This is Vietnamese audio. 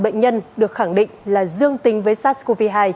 bệnh nhân được khẳng định là dương tính với sars cov hai